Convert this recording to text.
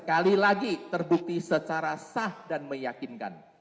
sekali lagi terbukti secara sah dan meyakinkan